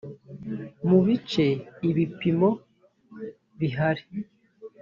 mu bice ibipimo bihari